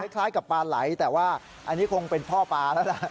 คล้ายกับปลาไหลแต่ว่าอันนี้คงเป็นพ่อปลาแล้วล่ะ